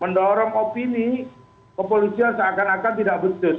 mendorong opini kepolisian seakan akan tidak putus